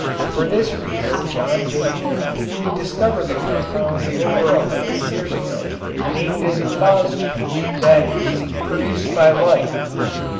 For this reason John Davy, who discovered the compound over a hundred years ago, named it phosgene, that is, "produced by light."